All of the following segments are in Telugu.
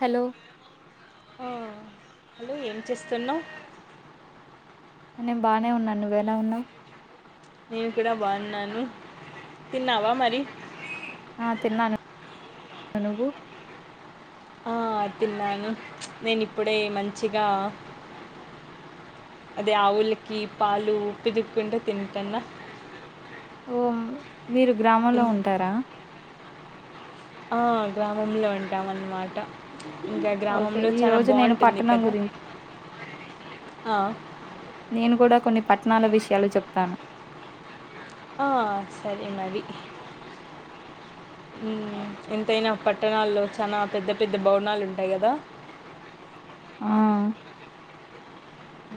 హలో ఆ! హలో ఏం చేస్తున్నావ్ నేను బాగానే ఉన్నాను నువ్వెలా ఉన్నావ్ నేను కూడా బాగున్నాను తిన్నావా మరి ఆ తిన్నాను నువ్వు ఆ తిన్నాను నేను ఇప్పుడే మంచిగా అదే ఆవులకి పాలు పితకుతుంటే తింటాన్న ఓ మీరు గ్రామంలో ఉంటారా ఆ గ్రామంలో ఉంటాం అన్నమాట ఓకే ఈ రోజు నేను పట్టణం కదా! గురించి ఆ! నేను కూడా కొన్ని పట్టణాల విషయాలు చెప్తాను ఆ సరే మరి ఎంతైనా పట్టణాల్లో చాలా పెద్ద పెద్ద భవనాలు ఉంటాయి కదా ఆ హ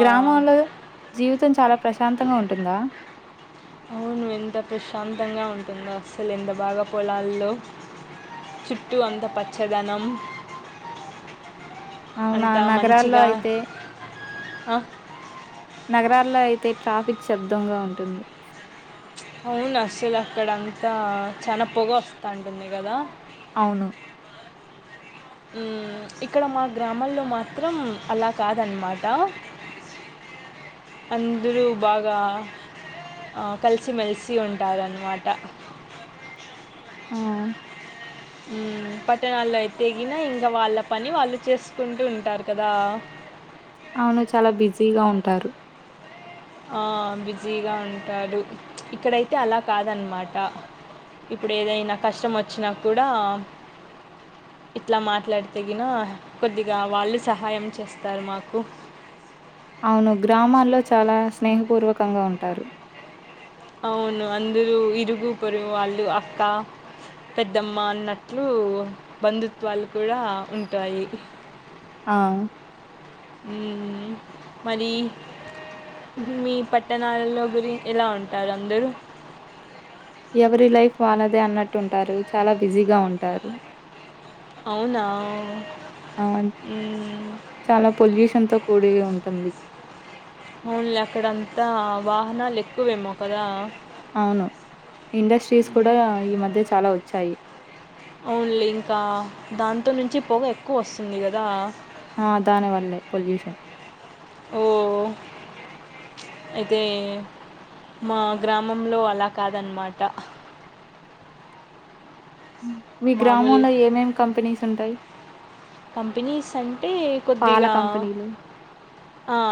గ్రామంలో జీవితం చాలా ప్రశాంతంగా ఉంటుందా తంగా ఉంటుందో అసలు ఎంత బాగా పొలాల్లో చుట్టూ అంత పచ్చదనం అవునా అంత నగరాల్లో మంచిగా అయితే ఆ నగరాల్లో అయితే ట్రాఫిక్ శబ్దంగా ఉంటుంది. అవును అసల్ అక్కడ అంతా చన్నా పొగ వస్తాంటుంది కదా? అవును. ఉమ్, ఇక్కడ మా గ్రామంలో మాత్రం అలా కాదన్నమాట. అందరూ బాగా కలిసిమేలిసి ఉంటారన్నమాట. ఆ ఉమ్, పట్టణాల్లో అయితెగినా ఇంకా వాళ్ళ పని వాళ్ళు చేసుకుంటూ ఉంటారు కదా అవును చాలా బిజీగా ఉంటారు. ఆ బిజీగా ఉంటడు. ఇక్కడైతే అలా కాదన్నమాట. ఇప్పుడు ఏదైనా కష్టం వచ్చినా కూడా ఇట్లా మాట్లాడితెగినా కొద్దిగా వాళ్ళు సహాయం చేస్తారు మాకు. అవును గ్రామాల్లో చాలా స్నేహపూర్వకంగా ఉంటారు. అవును అందరూ ఇరుగు పరుగు వాళ్ళు అక్క పెద్దమ్మ అన్నట్లు బంధుత్వాలు కూడా ఉంటాయి. ఆ మరి మీ పట్టణాలలో గురి ఎలా ఉంటారు అందరూ? ఎవరిీ లైఫ్ వాళ్ళదే అన్నట్టు ఉంటారు చాలా బిజీగా ఉంటారు అవునా? అ హ్మ్. చాలా పొల్యూషన్ తో కూడి ఉం తంది అవునులే అక్కడంతా వాహనాలు ఎక్కువేమో కదా అవును ఇండస్ట్రీస్ కూడా ఈ మధ్య చాలా వ చఐ ఓన్లీ ఇంకా దాంతో నుంచి పొగ ఎక్కువ వస్తుంది కదా ఆ దాన వల్లె పొల్యూషన్ ఓ అయితే మా గ్రామంలో అలా కాదన్నమాట మీ గ్రామంలో ఏమేమి కంపెనీస్ ఉంటాయి కంపెనీస్ అంటే పాల కొద్దిగా కంపెనీలు,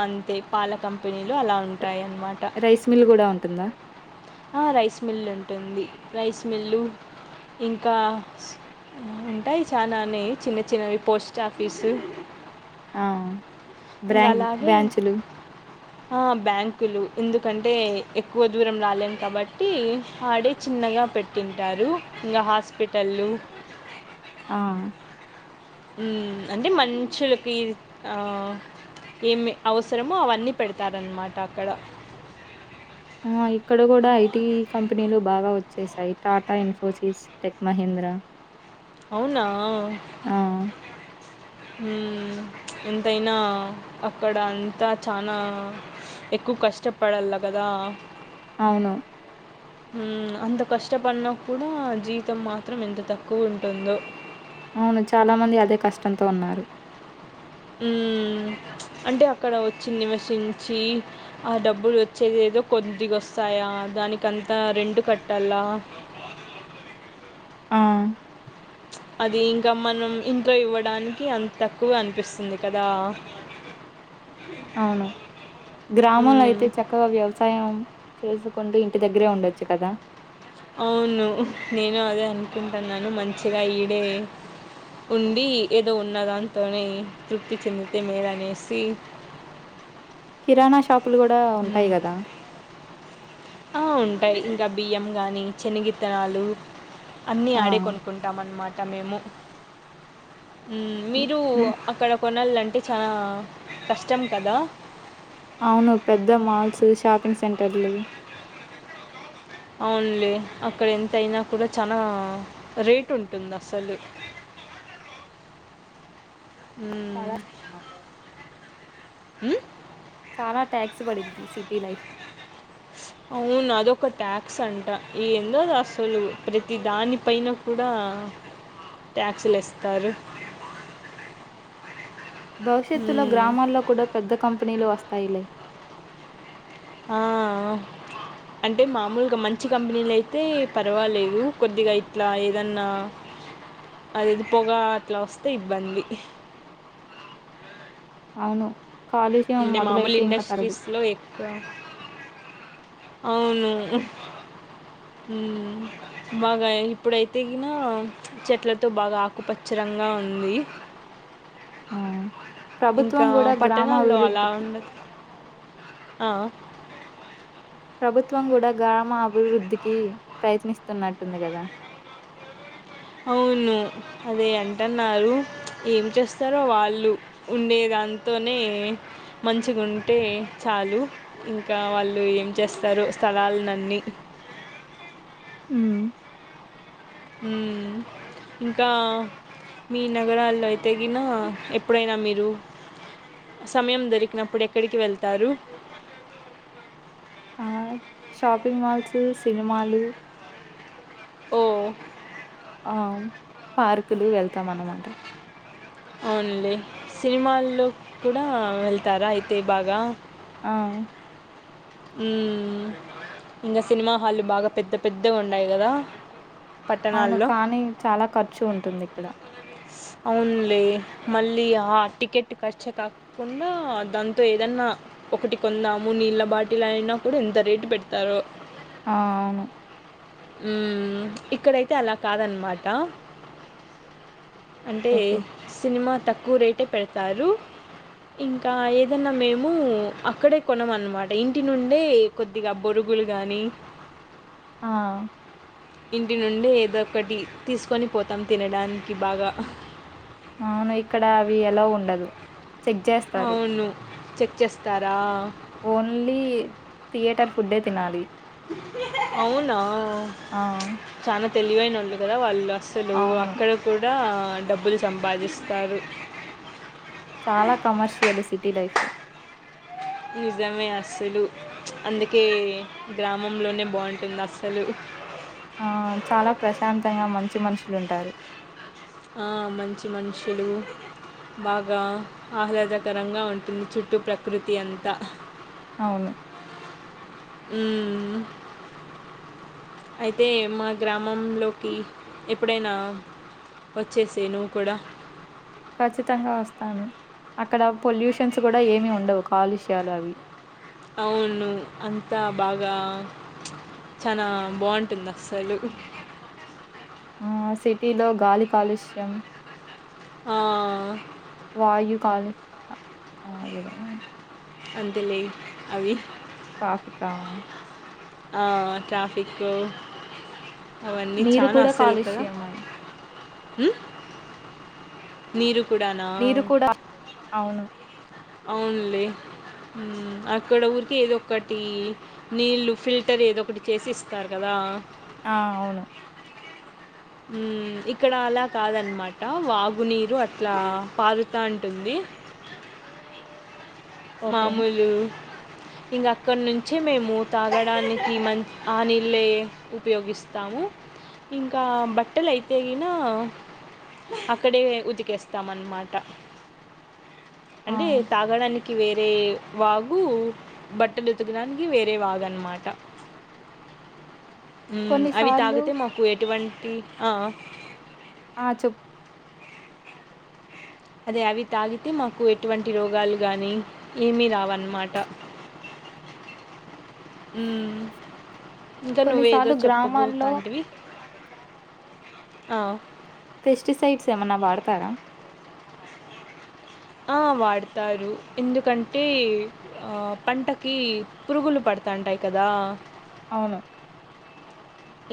అంతే పాల కంపెనీ రైస్ మిల్ కూడా ఉంటుందా? ఆ రైస్ మిల్లు ఉంటుంది. రైస్ మిల్లు, ఇంకా ఉంటాయి చాలానే చిన్న చిన్నవి పోస్ట్ ఆఫీసు ఆ ఇంకా బ్రాంక్ అలాగే బ్రాంచులు. ఆ బ్యాంకులు. ఎందుకంటే ఎక్కువ దూరం రాలేము కాబట్టి ఆడే చిన్నగా పెట్టింటారు ఇంకా హాస్పిటల్లుు ఆ ఉమ్. అంటే మషులకి ఏమి అవసరమో అవన్నీ పెడతారన్నమాట అక్కడ ఆ ఇక్కడ కూడా ఐటీ కంపెనీలు బాగా వచ్చేసాయి టాటా ఇన్ఫోసిస్ టెక్ మహీంద్ర అవునా ఆ! ఉమ్. ఎంతైనా అక్కడ అంతా చాలా ఎక్కువ కష్టపడలా కదా అవును ఉమ్. అంత కష్టపడినా కూడా జీతం మాత్రం ఎంత తక్కువ ఉంటుందో. అవును చాలా మంది అదే కష్టంతో ఉన్నారు. ఉమ్. అంటే అక్కడ వచ్చి నివసించి ఆ డబ్బులు వచ్చేది ఏదో కొద్దిగా వస్తాయా దానికి అంతా రెంట్ కట్టాలా ఆ అది ఇంకా మనం ఇంట్లో ఇవ్వడానికి అంత తక్కువ అనిపిస్తుంది కదా అవును గ్రామంలో హ్మ్. అయితే చక్కగా వ్యవసాయం చేసుకుంటూ ఇంటి దగ్గరే ఉండొచ్చు కదా అవును నేను అదే అనుకుంటున్నాను మంచిగా ఈడే ఉండి ఏదో ఉన్న దానింతోనే తృప్తి చెందితే మేలు అనేసి కిరాణాషాప్ అప్పులు గూడా ఉంటాయి గదా ఆ ఉంటాయి ఇంకా బియ్యం గాని చేనిగిత్తనాలు అన్నీ ఆ! ఆడే కొనుకుంటాం అన్మాట తమేము ఊ హ్మ్. మీరు హ్మ్. అక్కడ కొ కొనాలంటే చాలా కష్టం కదా అవును పెద్ద మాల్స్ షాపింగ్ సెంటర్లు అవున్లే అక్కడ ఎంత అయినా కూడా చనా రేట్ ఉంటుంది అసలు చాలా ఇస్ట్ ఉ చాలా ట్యాక్స్ పడిద్ది సిటీ లైఫ్ అవును అదొక ట్యాక్స్ అంట ఏందో అసలు ప్రతి దాని పైన కూడా ట్యాక్స్ లేస్తారు భవిష్యత్తులో గ్రామాల్లో కూడా పెద్ద కంప్ పనీలో వస్తాయిలే ఆ అంటే మామూలుగా మంచి కంపెనీలు అయితే పర్వాలేదు కొద్దిగా ఇట్లా ఏదన్నా అదిది పొగా అట్లా వస్తే ఇబ్బంది అవును కాలుష్యం అంటే మామూలు మొదలైతే ఇంక తరదు. ఇండస్ట్రీస్ లో ఎక్కువ అవును ఊ బాగా ఇప్పుడైతే గిన చెట్లతో బాగా ఆకుపచ్చరంగా ఉంది ఆ ప్రభుత్వం ఇంకా గూడా పట్టణాల్లో అలా గ్రామాభివృద్ధికి ఉండదు ఆ ప్రభుత్వం కూడా గ్రామ అభివృద్ధికి ప్రయత్నిస్తున్నట్టుంది గదా అవును అదే అంటన్నారు ఏం చేస్తరో వాళ్ళు ఉండేదాంతోనే మంచిగా ఉంటే చాలు ఇంకా వాళ్ళు ఏం చేస్తరో స్థలాలనన్ని ఊ ఊ ఇంకా మీ నగరాల్లో అయితే గిన ఎప్పుడైనా మీరు సమయం దొరికినప్పుడు ఎక్కడికి వెళ్తారు ఆ షాపింగ్ మాల్స్ సినిమాలు ఓ ఆ పార్కులు వెళ్తాం అన్నమాట ఓన్లీ సినిమాల్లో కుడా వెళ్తారా అయితే బాగా ఆ ఊ ఇంగ సినిమా హళ్లు బాగా పెద్ద పెద్దగా ఉండయి గదా అవును కానీ చాలా ఖర్చు ఉంటుంది ఇక్కడ అవునులే మళ్ళీ ఆ టికెట్ ఖర్చు కాక కుండా దాంతో ఏదన్నా ఒకటి కొందామ నీళ్ళ బాటిల్ అయినా కూడా ఎంత రేటు పెడతారో ఆ అవును ఉ ఇక్కడైతే అలా కాదన్మాట అంటే ఓకే. సినిమా తక్కువ రేటే పెడతారు ఇంకా ఏదన్నా మేము అక్కడే కొనమన్నమాట ఇంటి నుండే కొద్దిగా బొరుగులు గానీ త ఆ ఇంటి నుండి ఏద ఒకటి తీసుకొని పోతాం తినడానికి బాగా అవును ఇక్కడ అవి ఎలోవ్ ఉండదు చెక్ చేస్తారు అవును చెక్ చేస్తారా ఓన్లీ థియేటర్ ఫుడే తినాలి అవునా ఆ తెలివైనోళ్ళు కదా వాళ్ళు అసలు అవును. అక్కడ కూడా డబ్బులు సంపాదిస్తారు చాలా కమర్షియల్ సిటీ లైఫ్ నిజమే అస్సలు అందుకే గ్రామంలోనే బాగుంటుంది అస్సలు ఆ చాలా ప్రశాంతంగా మంచి మనుషులుంటారు మంచి మనుషులు బాగా ఆహ్లాదకరంగా ఉంటుంది చుట్టూ ప్రకృతి అంతా అవును హ అయితే మా గ్రామంలోకి ఎప్పుడైనా వచ్చేసే నువ్వు కూడా ఖచ్చితంగా వస్తాను అక్కడ పొల్యూషన్స్ కూడా ఏమిీ ఉండవు కాలుష్యాలు అవి అవును అంతా బాగా చాలా బాగుంటుంది అస్సలు ఆ సిటీలో గాలి కాలుష్యం వాయు కాాల అ అదే అందు లే అవి ట్రాఫిక ఆ ట్రాఫిక్ అవన్నీ నీరు కూడా కాలుష్యమై హ నిరు కుడన నీరు కూడా అవును అవునులే అక్కడ ఊరికి ఏదో ఒకటి నీళ్ళు ఫిల్టర్ ఏదో ఒకటి చేసి ఇస్తారు కదా ఆ అవును ఇక్కడ అలా కాదన్నమాట వాగునీరు అట్లా పారుతా ఉంటుంది ఓకే. మామూలు ఇంకా అక్కడి నుంచే మేము తాగడానికి మ ఆ నీళ్ళ ఉపయోగిస్తాము ఇంకా బట్టలు అయితేిన అక్కడే ఉతికేస్తాంన్నమాట ఆ! అంటె తాగడానికి వేరే వాగు బట్టలు ఉతకడానికి వేరే వాగన్నమాట ఉ అవి కొన్నిసార్లు తాగితే మాకు ఎటువంటి ఆ ఆ చెూ అదే అవి తాగితే మాకు ఎటువంటి రోగాలు గాని ఏమిీ రావన్నమాట ఇంకా నువ్వేదో కొన్నిసార్లు గ్రామాల్లో చెప్పబోతాంటివి ఆ పెస్టిసైడ్స్ ఏమన్నా వాడతారా ఆ వాడతారు ఎందుకంటే పంటకి పురుగులు పడుతాంటాయి కదా అవును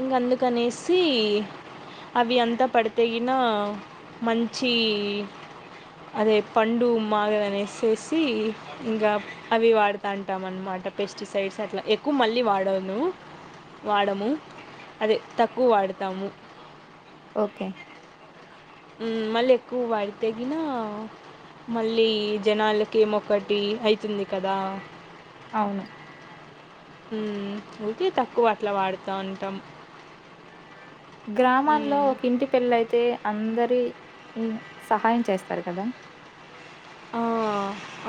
ఇంకా అందుకనేసి అవి అంతా పడితేగిన మంచి అదే పండు మాగ అనేసేసి ఇంకా అవి వాడుతా అంటాం అన్నమాట పెస్టిసైడ్స్ అట్లా ఎక్కువ మళ్ళీ వాడను వాడము అదే తక్కువ వాడతాము ఓకే మళ్ళీ ఎక్కువ వాడితెగిన మళ్ళీ జనాలకి ఏమొ ఒకటి అవుతుంది కదా అవును ఉ ఊే తక్కువ అట్లా వాడుతా ఉంటాం గ్రామాల్లో ఒక ఇంటి పెళ్ల అయితే అందరి ఈ సహాయం చేస్తారు కదా ఆ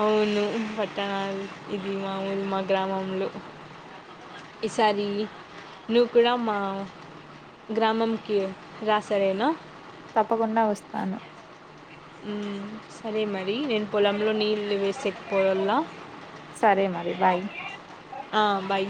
అవును పట్టణాలు ఇది మామంది మా గ్రామంలో ఈసారి నువ్వు కూడా మా గ్రామంకి రా సారేనా తప్పకుండా వస్తాను సరే మరి నేను పొలంలో నీళ్ళు వేసేకపోవలా సరే మరి. బాయ్ ఆ బై